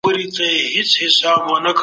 سپین ږیري او سپین سرې د کور برکت دي.